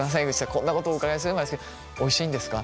こんなことをお伺いするのもあれですけどおいしいんですか？